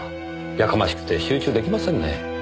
やかましくて集中出来ませんねぇ。